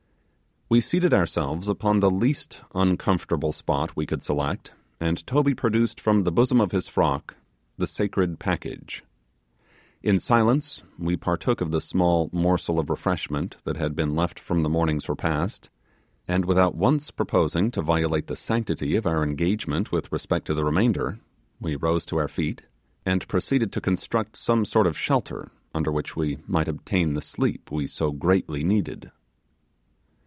We seated ourselves upon the least uncomfortable spot we could select, and Toby produced from the bosom of his frock the sacred package. In silence we partook of the small morsel of refreshment that had been left from the morning's repast, and without once proposing to violate the sanctity of our engagement with respect to the remainder, we rose to our feet, and proceeded to construct some sort of shelter under which we might obtain the sleep we so greatly needed.